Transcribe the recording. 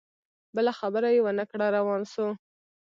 بله خبره یې ونه کړه روان سو